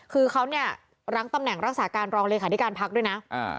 คือเขาเนี่ยรั้งตำแหน่งรักษาการรองเลขาธิการพักด้วยนะ